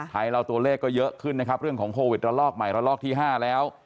ไทยเราตัวเลขก็เยอะขึ้นนะครับเรื่องของโควิดระลอกใหม่ระลอกที่๕แล้ว